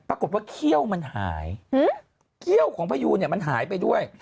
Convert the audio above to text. ปรากฏว่าเขี้ยวมันหายเขี้ยวของพยูนเนี่ยมันหายไปด้วย